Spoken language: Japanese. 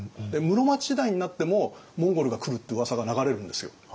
室町時代になってもモンゴルが来るってうわさが流れるんですよ。